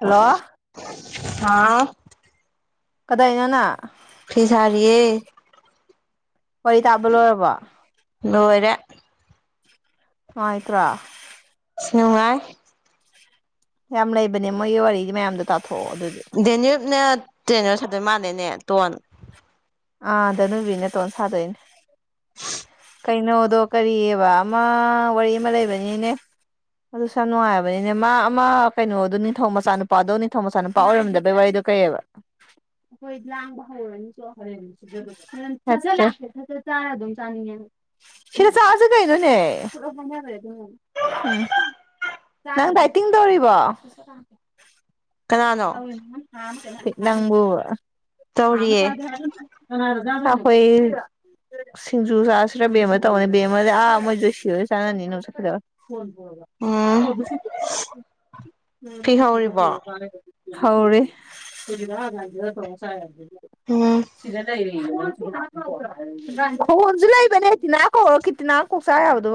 hello ꯍꯥꯥ ꯀꯗꯥꯏꯅꯅ ꯐꯤꯁꯔꯤꯌꯦ ꯋꯥꯔꯤ ꯇꯥꯕ ꯂꯣꯏꯔꯕꯣ ꯂꯣꯏꯔꯦ ꯅꯨꯡꯉꯥꯏ ꯇꯔꯥ ꯁꯅꯨꯡꯉꯥꯏ ꯌꯥꯝ ꯂꯩꯕꯅꯦ ꯃꯣꯏꯒꯤ ꯋꯥꯔꯤꯗꯤ ꯃꯌꯥꯝꯗꯣ ꯇ ꯗꯦꯅꯤꯋꯞꯅꯦ ꯇꯦꯅꯔ ꯁꯠꯇꯣꯏ ꯃꯥꯥꯟꯂꯦꯅꯦ ꯇꯣꯟ ꯑꯥ ꯙꯅꯕꯤꯅꯦ ꯇꯣꯟꯣꯟꯁꯥꯗꯣꯏꯅꯦ ꯀꯩꯅꯣꯗꯣ ꯀꯔꯤꯑꯕ ꯑꯃ ꯋꯥꯔꯤ ꯑꯃ ꯂꯩꯕꯅꯤꯅꯦ ꯑꯗꯨꯁꯨ ꯌꯥꯝ ꯅꯨꯡꯉꯥꯏꯔꯕꯅꯤꯅꯦ ꯃꯥ ꯑꯃ ꯀꯩꯅꯣꯗꯣ ꯅꯤꯡꯊꯧ ꯃꯆꯥꯅꯨꯄꯥꯗꯣ ꯅꯤꯡꯊꯧ ꯃꯆꯥꯅꯨꯄꯥ ꯑꯣꯏꯔꯝꯗꯕꯩ ꯋꯥꯔꯤꯗꯣ ꯀꯩꯕ ꯑꯩꯈꯣꯏ ꯂꯥꯡꯕ ꯍꯧꯔꯅꯤ ꯑꯗꯨꯝ ꯆꯥꯅꯤꯡꯉꯦ ꯁꯤꯗ ꯆꯥꯔꯁꯨ ꯀꯩꯅꯣꯅꯦ ꯑꯦ [unintelligible] ꯍꯨꯝ ꯅꯪ ꯗꯥꯏꯇꯤꯡ ꯇꯧꯔꯤꯕꯣ ꯀꯅꯥꯅꯣ ꯅꯪꯝꯕꯨ ꯇꯧꯔꯤꯌꯦ ꯑ ꯍꯣꯏ ꯁꯤꯡꯖꯨ ꯆꯥꯁꯤꯔꯥ ꯕꯦꯝ ꯑꯃ ꯇꯧꯅꯤ ꯕꯦꯝ ꯑꯃ ꯑꯥ ꯃꯣꯏꯁꯨ ꯁꯤꯔꯣꯏ ꯆꯥꯅꯅꯤ ꯅ ꯆꯠꯀꯗꯔ ꯎꯝ ꯍꯣꯏ ꯐꯤ ꯍ ꯍꯧꯔꯤꯕꯣ ꯎꯔꯦ ꯍ ꯎꯝ ꯁꯤ [inaudible] ꯍꯣꯟꯁꯨ ꯂꯩꯕꯅꯦ ꯇꯤꯅꯥ ꯀꯧꯔ ꯀꯈꯤꯇꯤꯅꯥ ꯀꯣꯛꯆꯥ ꯍꯥꯏꯕꯗꯣ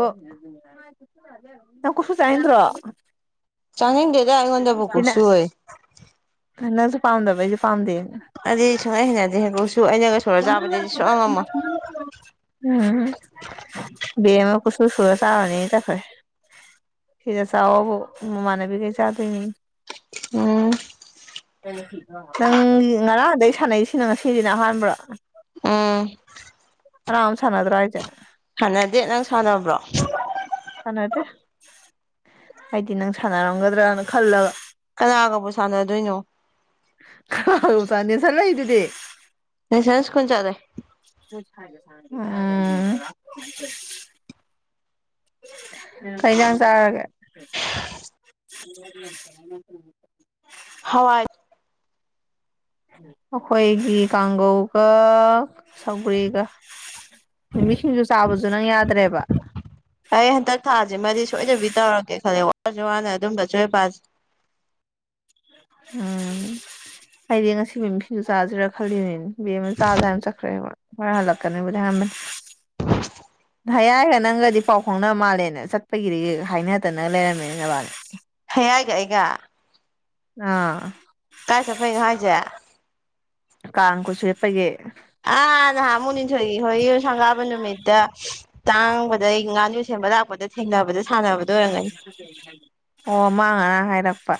ꯅ ꯈꯁꯤ ꯆꯥꯏꯟ꯭ꯔꯣ ꯆꯥꯅꯤꯡꯗꯦꯗ ꯑꯩꯉꯣꯟꯗ ꯄꯨꯕꯨꯀꯣꯛ ꯁꯍꯦ ꯍꯅꯁꯨ ꯄꯝꯗꯕ ꯑꯩꯁꯨ ꯄꯝꯗꯦ ꯑꯗꯨꯗꯤ ꯁꯨꯡꯍꯩ ꯍꯩꯅꯗꯦ ꯍꯦꯟꯀꯣꯛꯁꯨ ꯑꯩꯅꯒ ꯁꯣꯔ ꯆꯥꯕꯗꯗꯤ ꯁꯨꯡꯑꯉꯝꯃꯣ ꯎꯝ ꯑ ꯑꯃ ꯀꯆꯁꯨ ꯁꯨꯔ ꯆꯥꯔꯅꯤ ꯇꯈꯣꯏ ꯐꯁꯥ ꯑꯣꯕ ꯃꯃꯥꯟꯅꯕꯤ ꯀꯩ ꯆꯥꯗꯣꯏ ꯃꯤ ꯎꯝ ꯅꯪꯒꯤ ꯉꯔꯥꯡꯗꯩ ꯁꯥꯟꯅꯔꯤꯁꯤꯅ ꯉꯁꯤꯗꯤꯅ ꯑꯍꯥꯟꯕ꯭ꯔꯣ ꯑꯣꯝ ꯔꯝ ꯁꯥꯟ ꯑꯗꯨ꯭ꯔꯣ ꯍꯥꯏꯥꯏꯖꯅꯦ ꯁꯥꯟꯅꯗꯦ ꯅꯪ ꯁꯥꯟꯅꯕ꯭ꯔꯣ ꯁꯥꯟꯅꯗꯦ ꯑꯩꯗꯤ ꯅꯪ ꯁꯥꯟꯅꯔꯝꯒꯗ꯭ꯔꯅ ꯈꯜꯂꯒ ꯀꯅꯥꯒꯕꯨ ꯁꯥꯟꯅꯗꯣꯏꯅꯣ ꯆꯅꯦꯁꯔ ꯂꯩꯏꯗꯨꯗꯤ ꯁꯁ ꯈ ꯆꯗꯦ ꯎꯝ ꯀꯩꯖꯥꯡ ꯆꯥꯔꯒꯦ [inaudible] ꯍꯋꯥꯏ ꯈꯣꯏꯒꯤ ꯀꯒꯧ ꯀ ꯁꯧꯒ꯭ꯔꯤꯒ ꯅꯨꯃꯤꯠꯁꯤꯡꯁꯨ ꯆꯥꯕꯁꯨ ꯅꯪ ꯌꯥꯗ꯭ꯔꯦꯕ ꯑꯩ ꯊ ꯃꯗꯤ ꯁꯣꯏꯗꯕꯤ ꯇꯧꯔꯒꯦ ꯈꯜꯂꯦ ꯋꯥꯔꯁꯨ ꯋꯥꯅ ꯑꯗꯨꯝꯕ ꯑꯆꯣꯏ ꯑꯄꯥꯁꯤ ꯎꯝ ꯑꯩꯗꯤ ꯉꯁꯤ ꯃꯤꯃꯤ ꯁꯤꯡꯖꯨ ꯆꯥꯁꯤꯔꯥ ꯈꯜꯂꯤꯅꯤꯅꯦ ꯕꯦꯝꯃ ꯑꯃ ꯆꯥꯖꯦ ꯆꯠꯈ꯭ꯔꯦꯕ ꯍꯣꯏ ꯍꯜꯂꯛꯀꯅꯤꯕꯨꯗꯤ ꯍꯃ ꯍꯌꯥꯏꯒ ꯅꯪꯒꯗꯤ ꯄꯥꯎ ꯐꯥꯎꯅꯕ ꯃꯥꯜꯂꯦꯅ ꯆꯠꯄꯒꯤꯗꯤ ꯍꯥꯏꯅꯗꯅ ꯂꯩꯔꯝꯃꯦꯅ ꯕꯥꯅꯤ ꯌꯥꯏꯒ ꯑꯩꯒ ꯑꯥ ꯀꯥꯏ ꯆꯇꯄꯩꯅꯣ ꯍꯥꯏꯁꯦ [unintelligible] ꯑ ꯉꯍꯟꯃꯨꯛ ꯂꯤꯟꯊꯣꯏ ꯍꯣꯏ ꯌꯨꯝ ꯁꯪꯒꯥꯥꯕ ꯅꯨꯃꯤꯠꯇ ꯇꯥꯡꯕꯗ ꯉꯥꯅꯨ ꯁꯦꯝꯕ ꯂꯥꯛꯄꯗ ꯊꯦꯡꯅꯕꯗ ꯁꯥꯟꯅꯕꯗꯣ ꯑꯣꯏꯔꯝꯒꯅꯤ ꯑꯣ ꯃꯅꯥ ꯉꯔꯥꯡ ꯍꯥꯏꯔꯛꯄ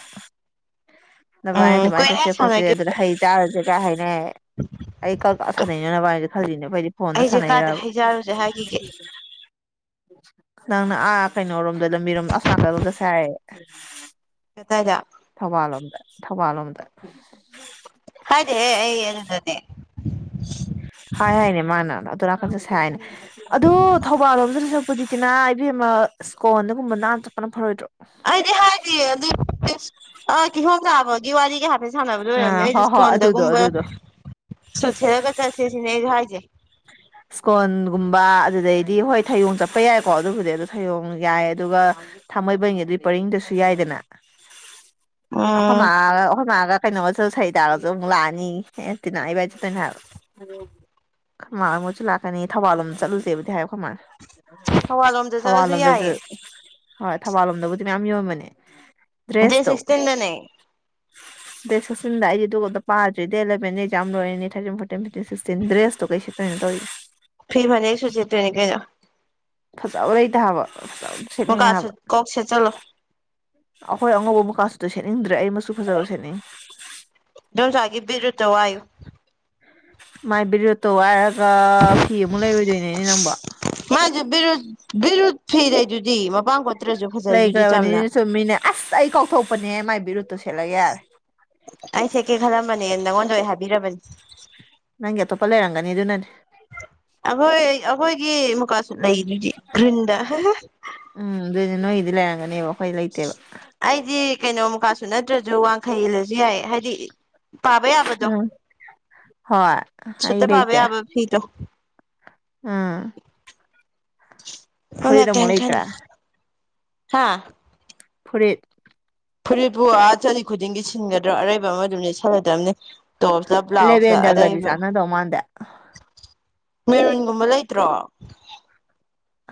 ꯑꯗꯨꯕꯥꯥꯏꯅ ꯎꯝ ꯑꯗꯨꯃꯥꯏꯅ ꯀꯨꯏꯔꯦ ꯆꯠꯁꯦ ꯈꯣꯠꯁꯦ ꯁꯥꯟꯅꯈꯤꯕ ꯑꯗꯨꯗ ꯍꯩ ꯆꯥꯔꯁꯦ ꯀ ꯍꯥꯏꯅꯦ ꯑꯩ ꯀ ꯁꯥꯟꯅꯩꯅꯣꯅꯕ ꯍꯥꯏꯗ ꯈꯜꯂꯤꯜꯂꯤꯅꯦ ꯑꯩꯗꯤ ꯐꯣꯟꯗ ꯑꯩꯁꯦ ꯁꯥꯟꯅꯩꯕ ꯀꯥꯏꯗ ꯍꯩꯖꯥꯔꯨꯁꯦ ꯍꯥꯏꯈꯤꯒꯦ ꯅꯪꯅ ꯑꯥ ꯀꯩꯅꯣꯔꯣꯝꯗ ꯂꯝꯕꯤꯔꯣꯝ ꯑꯁꯅꯥꯀꯜꯝꯒꯁꯦ ꯍꯥꯏ ꯀꯗꯥꯏꯗ ꯊꯧꯕꯥꯜꯣꯝꯗ ꯊꯧꯕꯥꯜꯣꯝꯗ ꯍꯥꯏꯗꯦꯍꯦ ꯑꯩ ꯑꯗꯨꯗꯅꯦ ꯍꯥꯏ ꯍꯥꯏꯅꯦ ꯃꯥꯅ ꯑꯗꯨꯣ ꯅꯥꯀꯟ ꯆꯠꯁꯦ ꯍꯥꯏꯅꯦ ꯑꯗꯣ ꯊꯧꯕꯥꯜ ꯂꯣꯝꯗ ꯍꯧꯖꯤꯛꯀꯤꯅꯥ ꯏꯕꯦꯝ ꯑꯃ ꯏꯁ꯭ꯀꯣꯟꯗꯒꯨꯝꯕ ꯅꯥꯟꯅ ꯆꯠꯄꯅ ꯐꯔꯣꯏꯗ꯭ꯔꯣ ꯑꯩꯗꯤ ꯍꯥꯏꯗꯤꯌꯦ ꯑꯗꯨ ꯀꯤꯍꯣꯝ ꯆꯥꯕꯒꯤ ꯋꯥꯔꯤ ꯀꯌꯥ ꯍꯥꯏꯐꯦꯠ ꯁꯥꯟꯅꯕꯗ ꯑꯣꯏꯔꯝꯃꯦ ꯑꯥ ꯑꯩꯁꯨ ꯍꯣꯏ ꯍꯣꯏ ꯑꯗꯨꯗꯣ ꯁꯀꯣꯟꯗꯒꯨꯝꯕ ꯑꯗꯨꯗꯣ ꯁꯣꯠꯊꯦꯠꯂꯒ ꯆꯠꯁꯦ ꯁꯤꯅꯦ ꯑꯩꯁꯨ ꯍꯥꯏꯦ [inaudible] ꯏꯁ꯭ꯀꯣꯟꯒꯨꯝꯕ ꯑꯗꯨꯗꯩꯗꯤ ꯍꯣꯏ ꯊꯌꯣꯡ ꯆꯠꯄ ꯌꯥꯏꯀꯣ ꯑꯗꯨꯕꯨꯗꯤ ꯑꯗꯨ ꯊꯌꯣꯡ ꯌꯥꯏ ꯑꯗꯨꯒ ꯊꯥꯡꯃꯩꯕꯟꯒꯤ ꯑꯗꯨꯏ ꯄꯔꯤꯡꯗꯁꯨ ꯌꯥꯏꯗꯅ ꯎꯝ ꯑꯩꯈꯣꯌ ꯃꯥꯒꯥ ꯀꯩꯟꯅꯣ [unintelligible] ꯁ ꯂꯥꯛꯀꯅꯤ ꯊꯧꯕꯥꯜ ꯂꯣꯝꯗ ꯆꯠꯂꯨꯁꯦꯕꯨꯗꯤ ꯍꯥꯏꯕ ꯀꯃꯥꯏꯅ ꯊꯧꯕꯥꯜꯂꯣꯝꯗ ꯊꯧꯕꯥꯜ ꯆꯠꯂꯁꯨ ꯂꯣꯝꯗꯁꯨ ꯌꯥꯏꯌꯦ ꯍꯣꯏ ꯊꯧꯕꯥꯜ ꯂꯣꯝꯗꯕꯨꯗꯤ ꯃꯌꯥꯝ ꯌꯣꯟꯕꯅꯦ ꯗ꯭ꯔꯦꯁꯇꯣ ꯁꯤꯁꯇꯤꯟꯗꯅꯦ ꯗꯦꯠ ꯁꯤꯁꯤꯇꯤꯟꯗ ꯑꯩꯗꯤ ꯑꯗꯨꯒ ꯑꯃꯇ ꯄꯥꯗ꯭ꯔꯤ ꯂꯩꯦꯦꯟꯁ ꯌꯥꯝ ꯂꯣꯏꯔꯅꯤꯅꯦ ꯊꯔꯇꯤꯟ ꯐꯣꯔꯇꯤꯟ ꯐꯤꯞꯇꯤꯟ ꯁꯤꯛꯁꯇꯤꯟ ꯗ꯭ꯔꯦꯁꯇꯣ ꯀꯩꯁꯨ ꯀꯩꯅ ꯇꯧꯔꯤꯏ ꯐꯤ ꯐꯅꯦꯛ ꯁꯨꯠ ꯁꯦꯠꯇꯣꯏꯅꯦ ꯀꯩꯅꯣ ꯐꯖꯅ ꯂꯩꯇꯥꯥꯕ ꯃꯨꯒꯥꯥ ꯁꯨꯠ ꯀꯣꯛ ꯁꯦꯠ ꯆꯠꯂꯣ ꯑꯩꯈꯣꯏ ꯑꯉꯧꯕ ꯃꯨꯒꯥ ꯁꯨꯠꯇꯣ ꯁꯦꯠꯅꯤꯡꯗ꯭ꯔꯦ ꯑꯩ ꯐꯖꯕ ꯃꯆꯨ ꯁꯦꯠꯅꯤꯡꯉꯤ [unintelligible] ꯃꯥꯏ ꯕꯤꯔꯇꯣ ꯋꯥ ꯐꯤ ꯑꯃꯨꯛ ꯂꯩꯔꯣꯏꯗꯣꯏꯅꯦꯅꯦ ꯅꯪꯕꯣ ꯐꯤ ꯂꯩꯗꯨꯗꯤ ꯃꯄꯥꯟ ꯀꯣꯠ ꯂꯩꯈ꯭ꯔꯕꯅꯤꯅ ꯆꯨꯝꯃꯤꯅꯦ ꯑꯁ ꯑꯩ ꯀꯥꯎꯊꯣꯛꯄꯅꯦ ꯃꯥꯏ ꯕꯤꯔꯨꯠꯇꯨꯁꯦ ꯑꯩ ꯁꯦꯠꯀꯦ ꯈꯜꯂꯝꯕꯅꯦ ꯅꯪꯉꯣꯟꯗ ꯑꯩ ꯍꯥꯏꯕꯤꯔꯕꯅꯤ ꯅꯪꯒꯤ ꯑꯇꯣꯞꯄ ꯂꯩꯔꯝꯒꯅꯤ ꯑꯗꯨ ꯅꯅꯦ ꯑꯩꯈꯣꯏ ꯑꯩꯈꯣꯏꯒꯤ ꯃꯨꯛꯀꯥꯁꯨꯠ ꯂꯩꯔꯤꯗꯨꯗꯤ ꯒ꯭ꯔꯤꯟꯗ ꯂ ꯂꯩꯥꯔꯝꯒꯅꯤꯕꯣ ꯑꯩꯗꯤ ꯀꯩꯅꯣꯝ ꯃꯨꯀꯥ ꯁꯨꯠ ꯅꯠꯇ꯭ꯔꯁꯨ ꯋꯥꯡꯈꯩ ꯐꯤ ꯏꯜꯂꯁꯨ ꯌꯥꯏ ꯍꯥꯏꯗꯤ ꯄꯥꯕ ꯌꯥꯕꯗꯣ ꯎꯝ ꯍꯣꯏ ꯁꯇ ꯄꯥꯕ ꯌꯥꯕ ꯐꯤꯗꯣ ꯑꯝ ꯐꯨꯔꯤꯠ ꯑꯃꯨꯛ ꯂꯩꯇ꯭ꯔꯥ ꯍꯥꯥ ꯐꯨꯔꯤꯠ ꯐꯨꯔꯤꯠꯄꯨ ꯑꯥ ꯆꯠꯂꯤ ꯈꯨꯗꯤꯡꯒꯤ ꯁꯤꯟꯒꯗ꯭ꯔꯣ ꯑꯔꯩꯕ ꯑꯃꯗꯨꯝ ꯂꯤꯠꯁꯜꯒꯗꯕꯅꯤ ꯇꯣꯞꯁ ꯕ꯭ꯂꯥꯎꯁ ꯂꯦꯕꯦꯟꯗꯔꯒꯗꯤ ꯑꯔꯩꯕ ꯆꯥꯟꯅꯗꯧ ꯃꯥꯟꯗꯦ ꯃꯦꯔꯨꯟꯒꯨꯝꯕ ꯂꯩꯇ꯭ꯔꯣ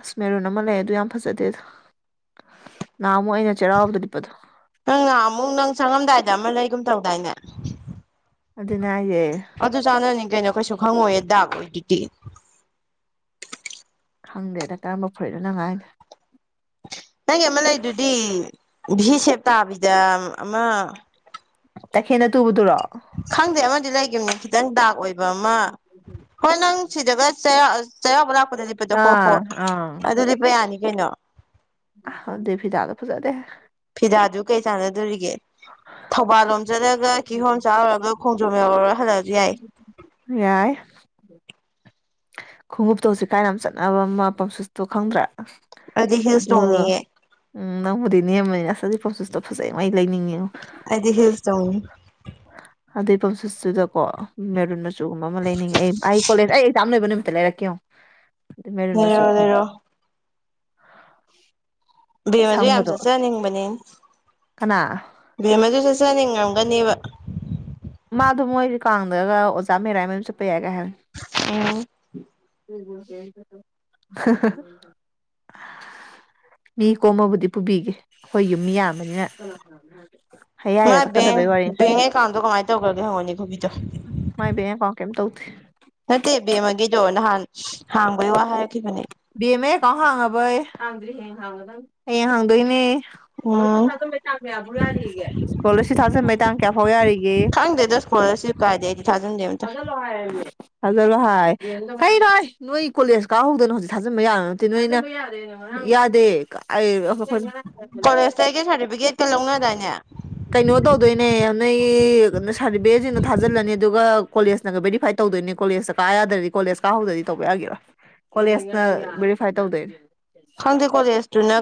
ꯑꯁꯃꯦꯦꯔꯨꯟ ꯑꯃ ꯂꯩ ꯑꯗꯨꯗ ꯌꯥꯝ ꯐꯖꯗꯦꯗ ꯅꯍꯥꯟꯃꯨꯛ ꯑꯩꯅ ꯆꯩꯔꯥꯎꯕꯗ ꯂꯤꯠꯄꯗꯣ ꯅꯪ ꯉ ꯑꯃꯨꯛ ꯅꯪ ꯁꯪꯉꯝꯗꯥꯏꯗ ꯑꯃ ꯂꯩꯒꯨꯝ ꯇꯧꯗꯥꯏꯅꯦ ꯑꯗꯨꯅꯦ ꯍꯥꯏꯁꯦ ꯑꯗꯨ ꯆꯥꯟꯅꯅꯤꯡ ꯀꯩꯅꯣ ꯀꯩꯁꯨ ꯈꯪꯉꯣꯏ ꯗꯕꯣꯏꯗꯤ ꯈꯪꯗꯦꯗ ꯀꯔꯝꯕ ꯐꯔꯤꯅꯣꯅꯉꯥꯏꯅ ꯅꯪꯒꯤ ꯑꯃ ꯂꯩꯗꯨꯗꯤ ꯚ ꯁꯦꯞ ꯇꯥꯕꯤꯗ ꯑꯃ ꯇꯈꯦꯅ ꯇꯨꯕꯨꯗꯨꯔꯣꯑꯣ ꯈꯪꯗꯦ ꯑꯃꯗꯤ ꯂꯩꯒꯤꯝꯅꯤ ꯈꯤꯇꯪ ꯗꯥꯛ ꯑꯣꯏꯕ ꯑꯃ ꯍꯣꯏ ꯅꯪ ꯁꯤꯗꯒ ꯆꯩꯔꯥꯎꯕ ꯂꯗ ꯂꯤꯞꯄꯗꯣ ꯍꯣ ꯑꯥ ꯍꯣꯏ ꯑꯗꯨ ꯂꯤꯞꯄ ꯌꯥꯅꯤ ꯀꯩꯅꯣ ꯑ ꯗꯦꯕꯤꯤꯗꯥꯥꯗ ꯐꯖꯥꯗꯦ ꯐꯤꯗꯥꯗꯨ ꯀꯩ ꯆꯥꯟꯅꯗꯣꯔꯤꯒꯦ ꯊꯧꯕꯥꯜ ꯂꯣꯝ ꯆꯠꯂꯒ ꯀꯤꯍꯣꯝ ꯆꯥꯎꯔꯒ ꯈꯣꯡꯖꯣꯝ ꯌꯥꯎꯔꯨꯔ ꯍꯜꯂꯛꯑꯁꯨ ꯌꯥꯏ ꯈꯣꯡꯎꯞꯇꯧꯁꯤ ꯀꯥꯏꯅ ꯌꯥꯝ ꯆꯠꯅꯕ ꯑꯃ ꯄꯝꯆꯁꯇꯣ ꯈꯪꯗ꯭ꯔꯥ ꯑꯩꯗꯤ ꯍꯤꯜꯁ ꯑꯗꯨꯣ ꯇꯣꯡꯅꯤꯌꯦ ꯎꯝ ꯅꯪꯕꯨꯗꯤ ꯅꯦꯝꯕꯅꯤꯅ ꯁꯖꯤꯛ ꯄꯣꯝꯆꯁꯇꯣ ꯐꯖꯩ ꯃꯩ ꯑꯗꯤ ꯍꯦꯜ ꯇ ꯑꯗꯩ ꯄꯝꯁꯨꯁꯇꯨꯗꯀꯣ ꯃꯦꯔꯨꯟ ꯃꯆꯨꯒꯨꯝꯕ ꯑꯃ ꯂꯩꯅꯤꯡꯉꯦ ꯑꯩ ꯀꯣꯂꯦꯖ ꯑꯩ ꯑꯦꯛꯖꯥꯝ ꯂꯩꯕ ꯅꯨꯃꯤ ꯂꯔ ꯀ ꯃꯦꯔꯅ ꯂꯩꯔꯣ ꯃꯥꯁꯨꯈꯣ ꯂꯩꯔꯣ ꯚꯦꯝ ꯑꯗꯨ ꯌꯥꯝ ꯆꯠꯆꯅꯤꯡꯕꯅꯤ ꯀꯅꯥ ꯚꯦꯝ ꯑꯗꯨ ꯆꯠ ꯆꯅꯤꯡꯉꯝꯒꯅꯦꯕ ꯃꯥꯗꯣ ꯃꯣꯏꯗꯤ ꯀꯥꯡꯗꯒ ꯑꯣꯖꯥ ꯃꯦꯔꯥꯃꯌꯝ ꯆꯠꯄ ꯌꯥꯏꯒꯦ ꯎꯝ [inaudible] ꯃꯤ ꯀꯣꯝꯃꯕꯨꯗꯤ ꯄꯨꯕꯤꯒꯦ ꯑꯩꯈꯣꯏ ꯌꯨꯝ ꯌꯥꯝꯕꯅꯤꯅ ꯃꯥ ꯍꯌꯥꯏꯒ ꯕꯦꯡ ꯆꯠꯀꯗꯕꯩ ꯋꯥꯔꯤꯅꯤ ꯕꯦꯡ ꯑꯦꯀꯥꯎꯟꯗꯣ ꯀꯃꯥꯏꯅ ꯇꯧꯈ꯭ꯔꯒꯦ ꯍꯪꯉꯣꯅꯤ ꯈꯨꯣꯕꯤꯗꯣ ꯃꯥꯥꯏꯕ ꯌꯥ ꯀ ꯀꯝ ꯇꯧꯦ ꯗꯣ ꯅꯍꯥꯟ ꯍꯥꯡꯕꯩꯣ ꯋꯥ ꯍꯥꯏꯔꯛꯈꯤꯕꯅꯦ ꯕꯤꯦꯝ ꯃꯀꯥꯎ ꯍꯥꯡꯉꯕꯣꯏ ꯍꯌꯦꯡ ꯍꯥꯡꯗꯣꯏꯅꯦ ꯎꯝ ꯏꯁꯣ ꯊꯥꯌꯥ ꯐꯔꯤꯦ ꯏꯁꯀꯣꯂꯔꯁꯤꯞ ꯊꯥꯖꯩꯥꯡ ꯀꯌꯥ ꯐꯥꯎ ꯌꯥꯔꯤꯒꯦ ꯍꯣꯏꯁꯨ ꯀꯥꯖꯦ ꯍꯖ ꯂꯣ ꯍꯥꯏ ꯐꯩꯔꯣꯏ ꯅꯣꯏ ꯀꯣꯂꯦꯖ ꯀꯥꯍꯧꯗꯅ ꯍꯧꯖꯤꯛ ꯊꯥꯖꯤꯟꯕ ꯌꯥꯕ ꯅꯠꯇꯦ ꯅꯣꯏꯅ ꯌꯥꯗꯦ ꯑꯩ ꯀꯣꯂꯦꯖꯇ ꯑꯩꯒꯤ ꯁꯥꯔꯇꯤꯐꯤꯀꯦꯠꯀ ꯂꯧꯅꯗꯥꯏꯅꯦ ꯀꯩꯅꯣ ꯇꯧꯗꯣꯏꯅꯦ ꯅꯣꯏ ꯁꯥꯔꯇꯤꯐꯤꯀꯦꯠꯁꯤꯅꯣ ꯊꯥꯖꯤꯜꯂꯅꯤ ꯑꯗꯨꯒ ꯀꯣꯂꯦꯖꯅꯒ ꯕꯦꯔꯤꯐꯥꯏ ꯇꯧ ꯇꯧꯗꯣꯏꯅꯦ ꯀꯣꯂꯦꯖꯇ ꯀꯥ ꯌꯥꯗ꯭ꯔꯗꯤ ꯀꯣꯂꯦꯖ ꯀꯥꯍꯧꯗ꯭ꯔꯗꯤ ꯇꯧꯕ ꯌꯥꯒꯤꯔꯥ ꯀꯣꯂꯦꯖꯅ ꯚꯦꯔꯤꯐꯥꯏ ꯇꯧꯗꯣꯏꯅꯦ ꯍꯪꯗꯦꯀꯣꯦꯁꯨꯅ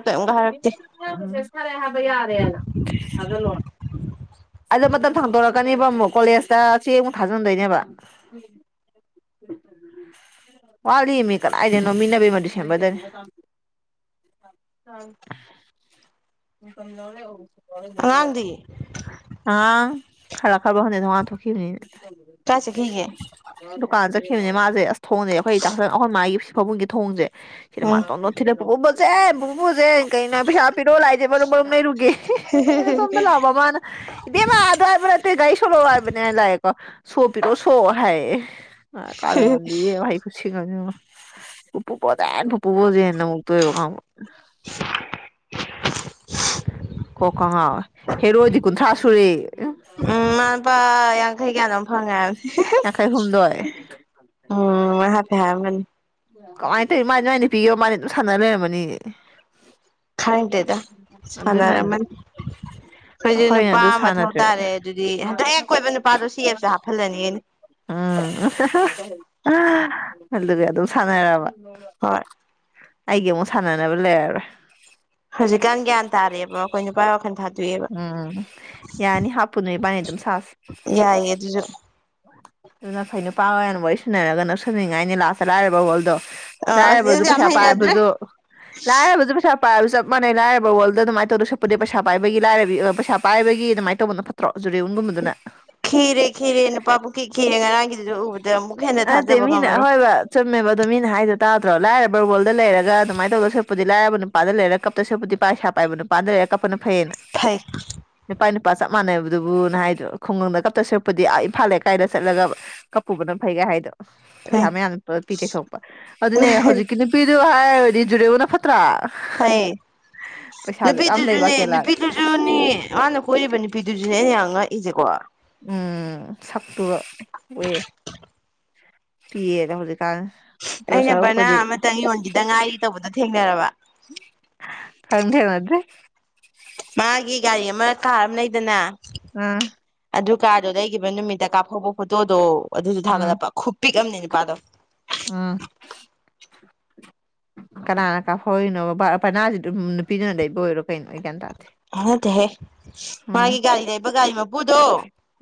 ꯆꯊꯔꯦ ꯍꯥꯏꯕ ꯌꯥꯔꯦꯅ ꯑꯗꯨ ꯂꯣꯅ ꯑꯗꯣ ꯃꯇꯝ ꯊꯥꯡꯗꯣꯔꯛꯀꯅꯦꯕ ꯑꯃꯨꯛ ꯀꯣꯂꯦꯖꯇ ꯆꯦꯡ ꯑꯃꯨꯛ ꯊꯥꯖꯤꯟꯗꯣꯏꯅꯦꯕ ꯋꯥꯂꯤꯃꯤ ꯀꯗꯥꯏꯗꯅꯣꯃꯤꯅꯕꯤ ꯑꯃ ꯗꯤꯁꯦꯝꯕꯔꯗꯅꯦ ꯑ ꯏꯝ ꯂꯧꯧꯔꯦ ꯑꯉꯥꯡꯗꯤ ꯑꯥ ꯈꯔ ꯈꯔꯔꯕ ꯍꯅꯤ ꯊ ꯋꯥ ꯊꯈꯤꯅꯤ ꯀꯥꯏ ꯆꯠꯈꯤꯒꯦ ꯗꯨꯀꯥꯟ ꯆ ꯁꯤꯈꯤꯕꯅꯦ ꯃꯥꯁꯦ ꯑꯁ ꯊꯣꯡꯁꯦ ꯑꯩꯈꯣꯏ ꯆꯥꯛꯁꯪ ꯑꯍꯟ ꯃꯥꯒꯤ ꯁꯤ ꯐꯥꯕꯨꯡꯒꯤ ꯊꯣꯡꯁꯦ ꯁꯤꯗ ꯃꯥ ꯎꯝ ꯊꯤꯛ ꯆꯦꯕ ꯨꯁꯦ ꯀꯩꯅꯣ ꯄꯩꯁꯥ ꯄꯤꯔꯛꯑꯣ ꯂꯥꯛꯏꯁꯦ ꯃꯔꯨꯝ ꯃꯔꯨꯝ ꯂꯩꯔꯨꯒꯦ ꯑꯩꯅ ꯁꯣꯝꯗ ꯂꯥꯛꯕ ꯃꯥꯅ ꯏ ꯑ ꯑꯗꯨ ꯍꯥꯏꯕꯅꯦ ꯑꯇꯩ ꯒꯥꯥꯏ ꯁꯣꯂꯛꯑꯣ ꯍꯥꯏꯕꯅꯦ ꯍꯥꯏ ꯂꯥꯛꯑꯦꯀꯣ ꯁꯣ ꯄꯤꯔꯣ ꯁꯣ ꯍꯥꯏꯌꯦꯦ ꯑ ꯀꯗꯤꯦꯥꯏ ꯈꯨꯁꯤ ꯀ ꯎꯄ ꯄꯣꯗꯅ ꯄꯨꯄꯨꯕꯨꯣꯗꯦꯟꯅ ꯑꯃꯨꯛꯇꯛꯇ ꯀꯣꯀꯉꯥꯎ ꯍꯦꯔꯣꯏ ꯑꯣꯏꯗꯤ ꯀꯨꯟꯊ꯭ꯔꯥ ꯁꯨꯔꯦ ꯎꯝ ꯃꯥ ꯂꯨꯄꯥ ꯌꯥꯡꯈꯩ ꯀꯌꯥꯅꯣꯝ ꯐꯪꯉꯦ ꯍꯥꯏꯕꯅꯤ ꯌꯥꯡꯈꯩ ꯍꯨꯝꯗꯣꯏ ꯎꯝ ꯍꯥꯐꯦ ꯍꯥꯏꯔꯝꯒꯅꯤ ꯀꯃꯥꯏꯅ ꯇꯧꯔꯤ ꯃꯥꯗꯤ ꯃꯥꯥꯏꯅ ꯄꯤꯌꯣ ꯃꯥꯅ ꯑꯗꯨꯝ ꯁꯥꯟꯅꯅ ꯂꯩꯔꯝꯃꯅꯤ ꯈꯪꯗꯦꯗ ꯑꯗꯨꯅꯅꯦ ꯁꯥꯟꯅꯔꯝꯃꯅꯤ ꯑꯩꯈꯣꯏꯁꯨ ꯑꯩꯈꯣꯏꯅ ꯅꯨꯄꯥ ꯑꯗꯨ ꯃꯊꯧ ꯁꯥꯟꯅꯗ꯭ꯔꯦ ꯇꯥꯔꯦ ꯑꯗꯨꯗꯤ ꯍꯟꯗꯛ ꯀꯣꯏꯕ ꯅꯨꯄꯥꯗꯣ ꯁꯤꯦꯞꯁꯦ ꯍꯥꯞꯍꯜꯂꯅꯤꯅꯦ ꯎꯝ ꯑ ꯑꯗꯨꯒꯤ ꯑꯗꯨꯝ ꯁꯥꯟꯅꯔꯕ ꯍꯣꯏ ꯑꯩꯒꯤ ꯑꯃꯨꯛ ꯁꯥꯟꯅꯅꯕ ꯂꯩꯔꯔꯣꯏ ꯍꯧꯖꯤꯛꯀꯥꯟ ꯒ꯭ꯌꯥꯟ ꯇꯥꯔꯦꯕ ꯑꯩꯈꯣꯏ ꯅꯨꯄꯥ ꯋꯥꯈ ꯊꯥꯦ ꯎꯝ ꯌꯥꯅꯤ ꯍꯥꯞꯄꯨ ꯅꯨꯣꯏꯕꯥꯅꯤ ꯑꯗꯨꯝ ꯁꯥꯁꯤ ꯌꯥꯏꯌꯦ ꯑꯗꯨꯁꯨ ꯑꯗꯨꯅ ꯐꯩ ꯅꯨꯄꯥ ꯍꯅ ꯋꯥꯔꯤ ꯁꯅꯔꯒ ꯅꯛꯁꯤꯟꯅꯅꯤꯡꯉꯥꯏꯅꯤ ꯂꯥꯁꯇ ꯂꯥꯏꯔꯕ ꯍꯣꯜꯗꯣ ꯑꯥ ꯑꯁ ꯂꯥꯏꯔꯕꯁꯨ ꯑꯗꯨꯗꯤ ꯌꯥꯝ ꯄꯩꯁꯥ ꯍꯩꯅꯗ꯭ꯔꯦ ꯄꯥꯏꯔꯕꯁꯨ ꯂꯥꯏꯔꯕꯁꯨ ꯄꯩꯁꯥ ꯄꯥꯏꯕꯁꯨ ꯆꯞ ꯃꯥꯟꯩ ꯂꯥꯏꯔꯕ ꯋꯥꯔꯜꯗ ꯑꯗꯨꯃꯥꯏꯅ ꯇꯧꯔꯁꯨ ꯆꯠꯄꯗꯤ ꯄꯩꯁꯥ ꯄꯥꯏꯕꯒꯤ ꯂꯥꯏꯕꯤ ꯄꯩꯁꯥ ꯄꯥꯏꯕꯒꯤ ꯑꯗꯨꯃꯥꯏꯅ ꯇꯧꯕꯅꯣ ꯐꯠꯇ꯭ꯔꯣ ꯑꯣꯖꯗ ꯑꯣꯟꯕ ꯃꯗꯅꯅꯥ ꯈꯤꯔꯦ ꯈꯤꯔꯦ ꯅꯨꯄꯥ ꯄꯨꯡꯈꯤ ꯈꯤꯔꯦ ꯉꯔꯥꯡꯒꯤꯗꯨꯁꯨ ꯎꯕꯗ ꯑꯃꯨꯛ ꯍꯦꯟꯅ ꯑꯠꯇ ꯊꯥꯖꯕ ꯃꯤꯅꯥ ꯉꯝꯃꯔꯣꯏ ꯍꯣꯏꯕ ꯆꯨꯝꯃꯦꯕ ꯑꯗꯨ ꯃꯤꯅꯥ ꯍꯥꯏꯗꯣꯥꯗ꯭ꯔꯣ ꯂꯥꯏꯔ ꯕꯔꯕꯣꯜꯗ ꯂꯩꯔꯒ ꯑꯗꯨꯃꯥꯏꯅ ꯇꯧꯗ ꯁꯣꯠꯄꯗꯤ ꯂꯥꯏꯔꯕ ꯅꯨꯄꯥꯗ ꯂꯩꯔꯒ ꯀꯞꯇ ꯁꯣꯠꯄꯗꯤ ꯄꯥꯏꯁꯥ ꯄꯥꯏꯕꯅ ꯗ꯭ꯔꯦ ꯌꯥꯀꯄꯅ ꯐꯩꯅ ꯐꯩ ꯅꯨꯄꯥꯥꯏꯅꯤ ꯂꯄꯥ ꯆꯞ ꯃꯥꯟꯅꯕꯗꯨꯕꯨꯅ ꯍꯥꯏꯗ꯭ꯔꯣ ꯈꯨꯡꯒꯪꯗ ꯀꯞꯇ ꯁꯔꯛꯄꯗꯤ ꯑ ꯏꯝꯐꯥꯜꯦ ꯀꯥꯏꯅ ꯆꯠꯂꯒ ꯀꯄꯨꯕꯅꯝ ꯐꯩꯒ ꯍꯥꯏꯗꯣ ꯐꯩ ꯄꯩꯁꯥ ꯃꯌꯥꯝ ꯄꯤ ꯇꯩꯊꯣꯛꯄ ꯑꯗꯨꯅꯦ ꯍꯧꯖꯤꯛꯀꯤ ꯅꯨꯄꯤꯗꯨ ꯍꯥꯏꯔꯗꯤ ꯖꯨꯔꯦꯕꯨꯅ ꯐꯠꯇ ꯐꯩꯌꯦ ꯄꯩꯁꯥꯁꯨ ꯌꯥꯝ ꯂꯩꯕ ꯅꯨꯄꯤꯗꯨꯁꯨꯅꯦ ꯀꯦꯔꯂꯥꯗ ꯅꯨꯄꯤꯗꯨꯁꯨꯅꯦ ꯃꯥꯅ ꯀꯣꯏꯔꯤꯕ ꯅꯨꯄꯤꯗꯨꯁꯨꯅꯦ ꯑꯩꯅ ꯌꯥꯝ ꯉꯛꯏꯁꯦꯀꯣ ꯎꯝ ꯁꯛꯇꯨꯕ ꯑꯣꯏꯌꯦ ꯄꯤꯌꯦꯗ ꯍꯧꯖꯤꯛ ꯀ ꯑꯩꯅ ꯗꯣꯁꯥ ꯎꯄꯗꯤ ꯕꯅꯥ ꯑꯃꯇꯪ ꯌꯣꯟꯈꯤꯗ ꯉꯥꯏꯔꯤ ꯇꯧꯕꯗ ꯊꯦꯡꯅꯔꯕ ꯈꯗꯦ ꯃꯦ ꯃꯥꯒꯤ ꯒꯥꯔꯤ ꯑꯃ ꯀꯥꯔ ꯑꯃ ꯂꯩꯗꯅ ꯑꯥ ꯑꯗꯨ ꯀꯥꯗꯣ ꯂꯩꯈꯤꯕ ꯅꯨꯃꯤꯠꯇ ꯀꯥꯞꯍꯧꯕ ꯐꯣꯇꯣꯗꯣ ꯑꯗꯨꯁꯨ ꯊꯥꯒꯠꯂꯛꯄ ꯈꯨ ꯄꯤꯛꯑ ꯑꯃꯅꯦ ꯅꯨꯄꯥꯗꯣ ꯑꯥ ꯀꯅꯥꯅ ꯀꯥꯍꯣꯔꯤꯅꯣꯕ ꯄꯅꯥꯁꯤ ꯑꯗꯨꯝ ꯅꯨꯄꯤꯗꯨꯅ ꯂꯩꯕ ꯑꯣꯏꯔꯣ ꯀꯩꯅꯣ ꯑꯩ ꯀ ꯇ ꯑꯣꯠꯇꯍꯦ ꯃꯥꯒꯤ ꯒꯥꯔꯤ ꯂꯩꯕ ꯒꯥꯔꯤ ꯃꯄꯨꯗꯣ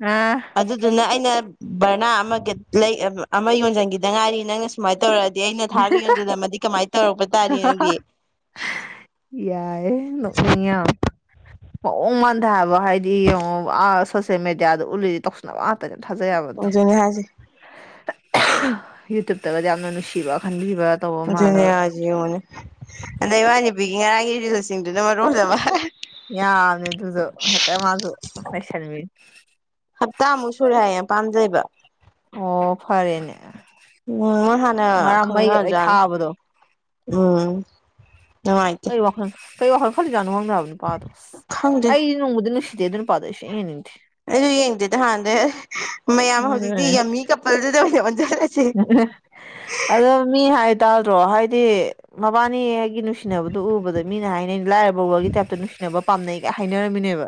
ꯑꯥ ꯑꯗꯨꯗꯨꯅ ꯑꯩꯅ ꯕꯔꯅꯥ ꯑꯃꯒ ꯑꯃ ꯌꯣꯟꯁꯤꯟꯈꯤꯗ ꯉꯥꯏꯔꯤ ꯅꯪꯅ ꯁꯨꯃꯥꯏꯅ ꯇꯧꯔ ꯑꯩꯅ ꯊꯥꯔꯒ ꯌꯣꯟꯁꯤꯂꯝꯝꯃꯗꯤ ꯀꯃꯥꯏꯅ ꯇꯧꯔꯛꯄ ꯇꯥꯔꯦ ꯅꯪꯗꯤ ꯅꯅꯤꯡ ꯎ ꯃꯟꯊ ꯍꯥꯏꯕ ꯍꯥꯏꯗꯤ ꯌꯦꯡꯉ ꯁꯣꯁꯤꯜ ꯃꯦꯗꯤꯌꯥꯗ ꯎꯠꯂꯤꯗꯤ ꯇꯧꯁꯟꯅꯕ ꯑꯇ ꯊꯥꯖꯩꯕꯗꯤ ꯑꯗꯨꯅꯦ ꯍꯥꯏꯁꯦ ꯌꯨꯇꯨꯕꯇꯕꯗꯤ ꯌꯥꯝꯅ ꯅꯨꯡꯁꯤꯕ ꯈ ꯨꯅꯤꯌꯥꯁꯤ ꯌꯦꯡꯉꯣꯅꯦ ꯑꯗ ꯏꯃ ꯅꯨꯨꯄꯤꯒꯤ ꯉꯔꯥꯡꯒꯤ ꯏꯔꯤꯜꯁꯤꯡꯗꯨꯅ ꯃꯔꯣꯝꯖꯕ ꯌꯥꯅꯤ ꯑꯗꯨꯨꯗꯣ ꯍꯥꯏꯦ ꯇ ꯃꯥꯁꯃꯤ ꯍꯞꯇꯥꯃꯨꯛ ꯁꯨꯔꯦ ꯍꯥꯏꯌꯦ ꯌꯥꯝ ꯄꯥꯝꯖꯩꯕ ꯑꯣ ꯐꯔꯦꯅꯦ ꯎꯝ ꯃ ꯍꯅ ꯉꯔꯥꯡ ꯃꯩꯒ ꯂꯣꯏ ꯈꯪꯅꯖꯥꯟ ꯊꯥꯕꯗꯣ ꯎꯝ ꯅꯨꯡꯉꯥꯏꯇꯦ ꯀꯩ ꯋꯥꯈꯜ ꯀꯩ ꯋꯥꯈꯜ ꯈꯜꯂꯖꯠꯅꯣ ꯈꯪꯗꯕ ꯅꯨꯄꯥꯗꯣ ꯈꯪꯗꯦ ꯑꯩꯗꯤ ꯅꯣꯡꯃꯗꯤ ꯅꯨꯡꯁꯤ ꯦ ꯑꯗꯨꯅ ꯄꯥꯗꯦꯅꯤ ꯑꯩꯁꯨ ꯌꯦꯡꯗꯦꯗ ꯍꯥꯟꯅꯗꯩ ꯃꯌꯥꯝ ꯍꯧꯖꯤꯛꯇꯤ ꯑꯗꯨꯅꯦ ꯌꯥꯝꯝꯃꯤ ꯀꯄꯜꯗꯨꯗ ꯑꯣꯏꯅ ꯑꯣꯟꯖꯤꯜ ꯑꯗꯣ ꯃꯤ ꯍꯥꯏ ꯇꯥꯗ꯭ꯔꯣ ꯍꯥꯏꯗꯤ ꯃꯕꯥꯅꯤ ꯍꯥꯏꯒꯤ ꯅꯨꯡꯁꯤꯅꯕꯗꯨ ꯎꯕꯗ ꯃꯤꯅ ꯍꯥꯏꯅꯩ ꯂꯥꯏꯔꯕ ꯒꯤ ꯇꯥꯏꯞꯇ ꯅꯨꯡꯁꯤꯅꯕ ꯄꯥꯝꯅꯩꯒ ꯍꯥꯏꯅꯔꯝꯃꯤꯅꯦꯕ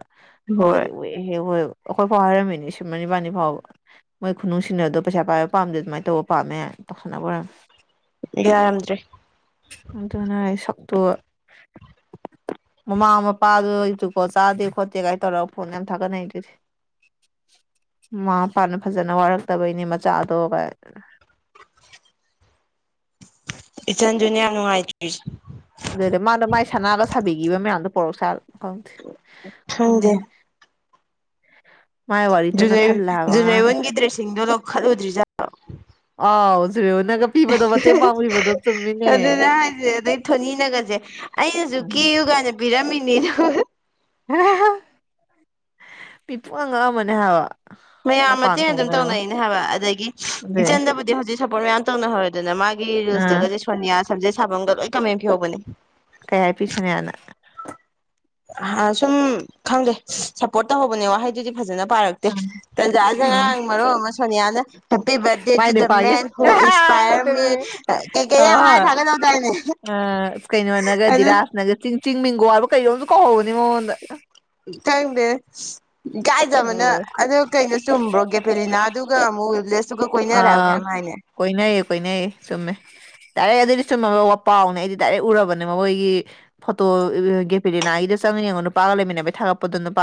ꯍꯣꯏ ꯑꯗꯨꯒꯗꯤ ꯎꯍꯦꯍꯦ ꯍꯣꯏꯦ ꯑꯩꯈꯣꯏ ꯐꯥꯎ ꯍꯥꯏꯔꯝꯃꯤꯅꯤ ꯁꯨꯞꯨꯝ ꯏꯕꯥꯅꯤ ꯐꯥꯎꯕ ꯃꯣꯏ ꯈꯨꯅꯨꯡ ꯁꯤꯟꯅꯗꯣ ꯄꯩꯁꯥ ꯄꯥꯏꯕ ꯄꯥꯝꯗꯦ ꯑꯗꯨꯃꯥꯏꯅ ꯇꯧꯕ ꯄꯥꯝꯃꯦ ꯇꯧꯁꯅꯕ ꯑꯣꯏꯔꯝꯃꯦ ꯌꯥꯔꯝꯗ꯭ꯔꯦ ꯑꯗꯨꯅ ꯑꯩ ꯇꯨꯒꯥ ꯃꯃꯥ ꯃꯄꯥꯗꯨ ꯖꯨꯀꯣꯠ ꯆꯥꯗꯦ ꯈꯣꯠꯇꯦ ꯀꯥꯏꯅ ꯇꯧꯔꯒ ꯐꯣꯟ ꯌꯥꯝ ꯊꯥꯒꯠꯅꯔꯤꯗꯨꯗꯤ ꯃꯃꯥ ꯃꯄꯥꯅ ꯐꯖꯅ ꯋꯥꯔꯛꯇꯕꯩꯅꯦ ꯃꯆꯥꯗꯣ ꯏꯆꯥꯟꯖꯨꯅꯤ ꯌꯥꯝ ꯅꯨꯉꯥꯏꯇꯔꯤꯁꯦ ꯑꯗꯨꯗꯤ ꯃꯥꯗꯣ ꯃꯥꯏ ꯁꯅꯥꯒ ꯁꯥꯕꯤꯈꯤꯕ ꯃꯌꯥꯝꯗꯣ ꯄꯣꯔꯛ ꯁꯥꯂꯣ ꯈꯪꯗꯦ ꯈꯪꯗꯦ ꯈꯪꯅꯤꯡ ꯃꯥꯏ ꯋꯥꯔꯤꯇꯅ ꯖꯨꯅꯩ ꯊꯜꯂꯦ ꯍꯥꯏꯕ ꯉꯔꯥꯡ ꯖꯨꯟꯔꯩꯋꯥꯟꯒꯤ ꯗ꯭ꯔꯦꯁꯁꯤꯡꯗꯣ ꯂꯧꯈꯠꯂꯨꯗ꯭ꯔꯤꯖꯥꯠ ꯂꯣ ꯑꯥꯎ ꯁꯨꯔꯦꯅꯒ ꯄꯤꯕꯗꯣ ꯃꯇꯦꯡ ꯄꯥꯡꯕꯤꯕꯗꯣ ꯆꯨꯝꯃꯤꯅꯦ ꯑꯗꯨꯅꯦ ꯍꯥꯏꯁꯦ ꯑꯗꯩ ꯊꯣꯅꯤꯅꯒꯁꯦ ꯑꯩꯅꯁꯨ ꯀꯦꯌꯨ ꯀꯥꯏꯅ ꯄꯤꯔꯝꯃꯤꯅꯤꯅ ꯃꯤꯄꯨꯝꯉꯛ ꯉꯥꯛ ꯑꯥꯝꯃꯥꯅꯦ ꯍꯥꯏꯕ ꯃꯌꯥꯝ ꯃꯄꯥꯟ ꯃꯇꯦꯡ ꯑꯗꯨꯝ ꯊꯣꯡꯗꯅꯕ ꯇꯧꯅꯩꯅꯦ ꯍꯥꯏꯕ ꯑꯗꯒꯤ ꯑꯗꯨꯏ ꯏꯆꯟꯗꯕꯨꯗꯤ ꯍꯧꯖꯤꯛ ꯁꯞꯄꯣꯔꯠ ꯃꯌꯥꯝ ꯇꯧꯅꯍꯧꯔꯗꯅ ꯃꯥꯒꯤ ꯑꯥ ꯔꯤꯜꯁꯇꯒꯁꯦ ꯁꯣꯅꯤꯌꯥ ꯁꯝꯖꯦꯠꯁꯥꯕꯝꯒꯁꯦ ꯂꯣꯏ ꯀꯃꯦꯟ ꯄꯤꯍꯧꯕꯅꯦ ꯀꯩ ꯍꯥꯏ ꯄꯤ ꯁꯣꯅꯤꯌꯥꯅ ꯁꯨꯝ ꯈꯪꯗꯦ ꯁꯞꯄꯣꯔꯠ ꯇꯧꯍꯧꯕꯅꯦ ꯋꯥꯍꯩꯗꯨꯗꯤ ꯐꯖꯅ ꯄꯥꯔꯛꯇꯦ ꯑꯥ ꯇꯟꯖꯥꯁꯦꯗ ꯑꯥ ꯉꯔꯥꯡ ꯑꯃꯨꯛ ꯁꯣꯅꯤꯌꯥꯅ ꯍꯦꯞꯄꯤ ꯕꯥꯔꯗꯦ ꯃꯥꯏ ꯇꯨ ꯗ ꯅꯨꯄꯥꯒꯤ ꯃꯦꯟ ꯍꯨ ꯏꯁ ꯏꯟꯁꯄꯥꯏ ꯃꯤ ꯑꯗꯨꯅꯦ ꯀꯩꯀꯩ ꯅꯣ ꯌꯥꯝ ꯍꯥꯏ ꯍꯣꯏ ꯊꯥꯒꯠ ꯍꯧ ꯗꯥꯏ ꯑ ꯀꯩꯅꯣꯅꯒ ꯅꯦ ꯙꯤꯔꯥꯖꯅꯒ ꯆꯤꯡ ꯆꯤꯡ ꯃꯤꯡꯒꯣ ꯍꯥꯏꯕ ꯀꯩꯅꯣꯝꯁꯨ ꯀꯧꯍꯧꯕꯅꯦ ꯃꯉꯣꯟꯗ ꯊꯪꯗꯦ ꯏꯀꯥꯏꯖꯕꯅ ꯍꯣꯏ ꯑꯗꯨ ꯀꯩꯅꯣ ꯆꯨꯝꯕ꯭ꯔꯣ ꯒꯦꯄꯦꯂꯤꯅꯥ ꯑꯗꯨꯒ ꯑꯃꯨꯛ ꯋꯤꯜꯕꯂꯦꯁ ꯑꯥ ꯀꯣꯏꯅꯩ ꯀꯣꯏꯅꯩꯌꯦ ꯆꯨꯝꯃꯦ ꯗꯥꯏꯔꯦꯛ ꯑꯗꯨꯏꯗꯤ ꯆꯨꯝꯃꯥꯕ ꯄꯥꯎꯅꯦ ꯑꯩꯗꯤ ꯗꯥꯏꯔꯦꯛ ꯎꯔꯕꯅꯦ ꯃꯣꯏꯒꯤ ꯐꯣꯇꯣ ꯒꯦꯄꯤꯂꯤꯅꯥꯒꯤꯗ ꯆꯪ ꯅ ꯅꯨꯄꯥꯒ ꯂꯩꯥꯏꯃꯤꯟꯅꯕꯩ ꯊꯒꯠꯄꯗꯣ